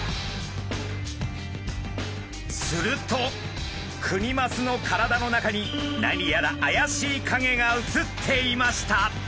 するとクニマスの体の中に何やら怪しい影が写っていました！